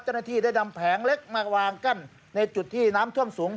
เจ้าหน้าที่ได้ดำแผงเล็กมาวางกั้นในจุดที่น้ำท่วมสูง